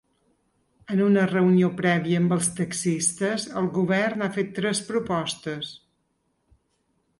En una reunió prèvia amb els taxistes, el govern ha fet tres propostes.